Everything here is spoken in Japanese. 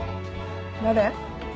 誰？